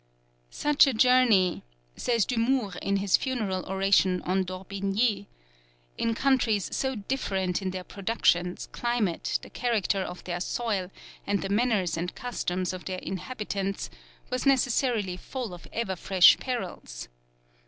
"Such a journey," says Dumour in his funeral oration on D'Orbigny, "in countries so different in their productions, climate, the character of their soil, and the manners and customs of their inhabitants, was necessarily full of ever fresh perils.